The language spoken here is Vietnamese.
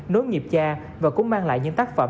nối nghiệp cha và cũng mang lại những tác phẩm